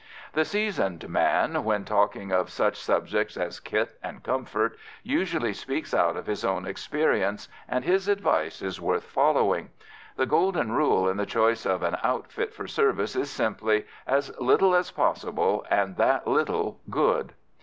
The seasoned man, when talking of such subjects as kit and comfort, usually speaks out of his own experience, and his advice is worth following. The golden rule in the choice of an outfit for service is simply "as little as possible, and that little good."